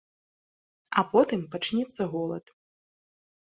А потым пачнецца голад.